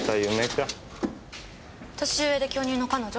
年上で巨乳の彼女？